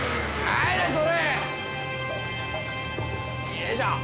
よいしょ！